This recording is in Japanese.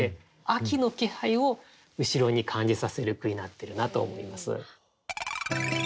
秋の気配を後ろに感じさせる句になっているなと思います。